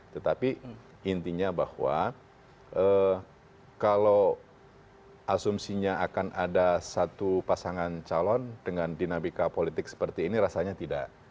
tetapi intinya bahwa kalau asumsinya akan ada satu pasangan calon dengan dinamika politik seperti ini rasanya tidak